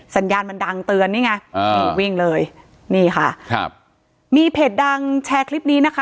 สัญญาณมันดังเตือนนี่ไงอ่านี่วิ่งเลยนี่ค่ะครับมีเพจดังแชร์คลิปนี้นะคะ